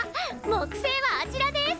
木星はあちらです！